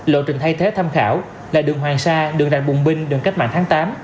lộ trình thay thế tham khảo là đường hoàng sa đường đài bùng binh đường cách mạng tháng tám